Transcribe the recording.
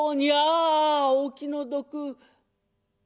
あお気の毒」。